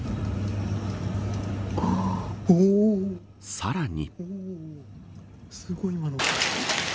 さらに。